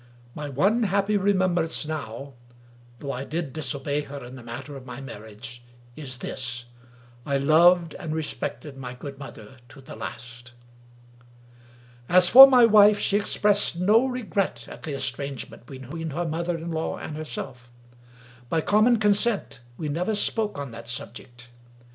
My one happy remem brance now — ^though I did disobey her in the matter of my marriage — is this: I loved and respected my good mother to the last. As for my wife, she expressed no regret at the estrange ment between her mother in law and herself. By common consent, we never spoke on that subject.